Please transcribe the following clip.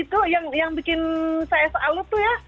terus itu yang bikin saya salu tuh ya